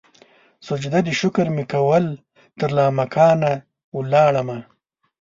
سجده د شکر مې کول ترلا مکان ولاړمه